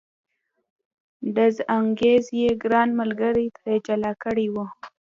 ډز انګاز یې ګران ملګري ترې جلا کړی و.